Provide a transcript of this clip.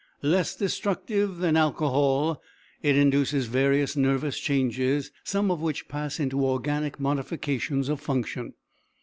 Less destructive than alcohol, it induces various nervous changes, some of which pass into organic modifications of function.